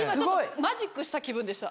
マジックした気分でした。